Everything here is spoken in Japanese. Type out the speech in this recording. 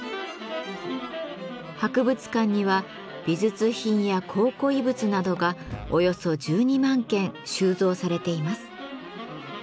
博物館には美術品や考古遺物などがおよそ１２万件収蔵されています。